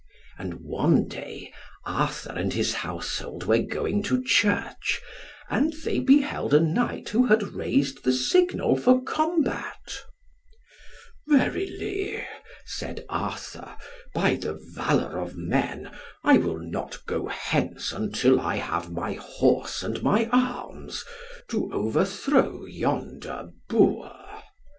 And one day, Arthur and his household were going to Church, and they beheld a knight who had raised the signal for combat. "Verily," said Arthur, "by the valour of men, I will not go hence until I have my horse and my arms to overthrow yonder boor."